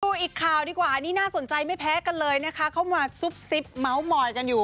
อีกข่าวดีกว่าอันนี้น่าสนใจไม่แพ้กันเลยนะคะเขามาซุบซิบเมาส์มอยกันอยู่